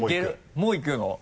もういくの？